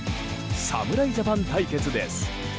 侍ジャパン対決です。